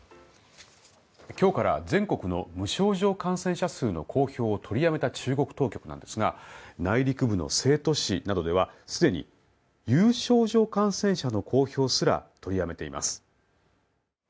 今日から全国の無症状感染者数の公表を取りやめた中国当局なんですが内陸部の成都市などではすでに有症状患者の公表すら取りやめています。